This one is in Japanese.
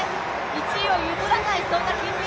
１位を譲らない。